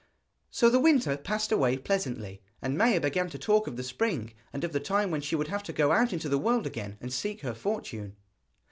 So the winter passed away pleasantly, and Maia began to talk of the spring, and of the time when she would have to go out into the world again and seek her fortune.